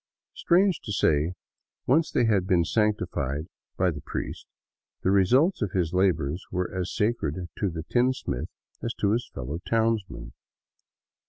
Strange to say, once they had been sanctified by the prifest, the results of his labors were as sacred to the tinsmith as to his fellow townsmen.